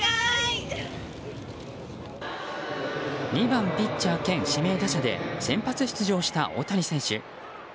２番ピッチャー兼指名打者で先発出場した大谷選手。